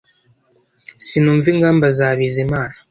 Sinumva ingamba za Bizimana